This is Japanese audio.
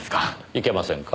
いけませんか？